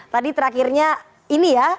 tadi terakhirnya ini ya